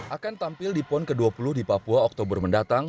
akan tampil di pon ke dua puluh di papua oktober mendatang